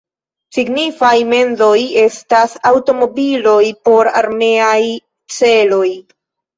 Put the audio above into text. Signifaj mendoj estas aŭtomobiloj por armeaj celoj.